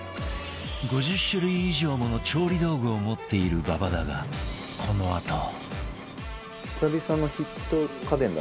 ５０種類以上もの調理道具を持っている馬場だがこのあと